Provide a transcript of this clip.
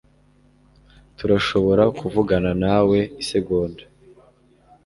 Turashobora kuvugana nawe isegonda, ?